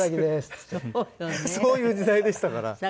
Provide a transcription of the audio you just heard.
そういう時代でしたから。